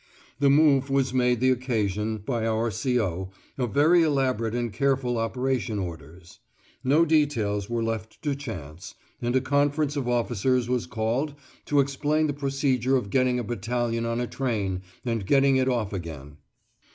The move was made the occasion, by our C.O., of very elaborate and careful operation orders. No details were left to chance, and a conference of officers was called to explain the procedure of getting a battalion on a train and getting it off again.